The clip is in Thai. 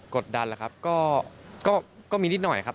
กดดันแล้วครับก็มีนิดหน่อยครับ